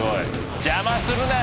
邪魔するな！